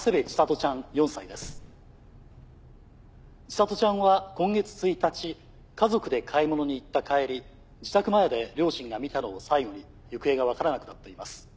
千里ちゃんは今月１日家族で買い物に行った帰り自宅前で両親が見たのを最後に行方が分からなくなっています。